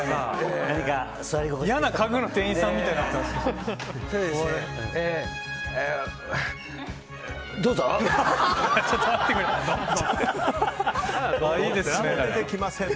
嫌な家具屋の店員さんみたいになってますよ。